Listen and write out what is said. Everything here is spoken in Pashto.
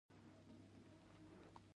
دوی د خپل مشر د روغتيا له پاره دعاوې کولې.